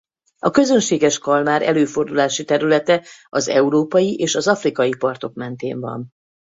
A közönséges kalmár előfordulási területe az európai és az afrikai partok mentén van.